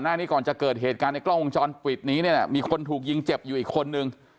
หน้านี้ก่อนจะเกิดเหตุการณ์ในกล้องวงจรปิดนี้เนี่ยมีคนถูกยิงเจ็บอยู่อีกคนนึง